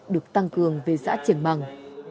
được tăng cường về xã triển bằng